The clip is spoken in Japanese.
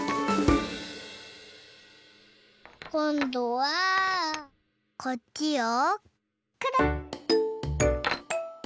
こんどはこっちをくるっぴたっ。